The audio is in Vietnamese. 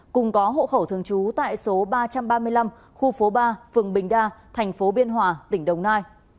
cùng có hộ khẩu thường trú tại số ba trăm ba mươi năm khu phố ba phường bình đa thành phố biên hòa tỉnh đồng nai